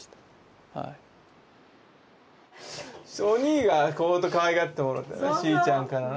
おにいがほんとかわいがってもらってたしいちゃんからな。